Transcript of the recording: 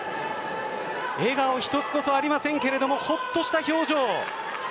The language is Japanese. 笑顔一つこそありませんがほっとした表情。